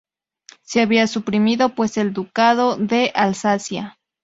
Se había suprimido pues el ducado de Alsacia.